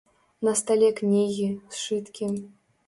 На стале кнігі, сшыткі.